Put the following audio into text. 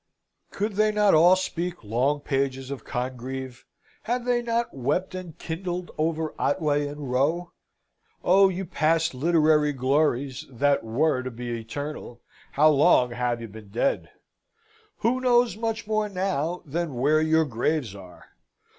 Could they not all speak long pages of Congreve; had they not wept and kindled over Otway and Rowe? O ye past literary glories, that were to be eternal, how long have you been dead? Who knows much more now than where your graves are?